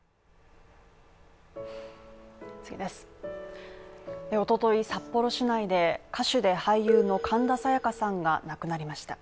次です一昨日札幌市内で歌手で俳優の神田沙也加さんが亡くなりました。